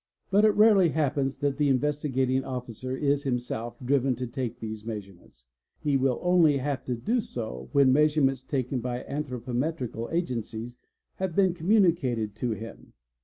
ff But it rarely happens that the Investigating Officer is himself drive to take these measurements; he will only haye to do so when measur ANTHROPOMETRY 975 ments taken by anthropometrical agencies have been communicated to him.